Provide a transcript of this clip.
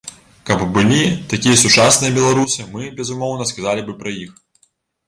Каб былі такія сучасныя беларусы, мы, безумоўна, сказалі б і пра іх.